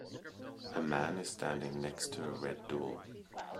A man is standing next to a red door.